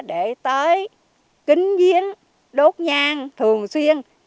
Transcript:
để tới kính viên đốt nhang thường xuyên